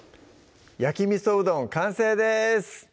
「焼き味うどん」完成です